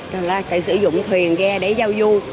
tự sử dụng thuyền ghe để giao du